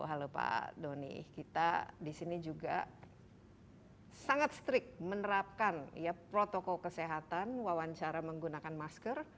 halo pak doni kita di sini juga sangat strict menerapkan protokol kesehatan wawancara menggunakan masker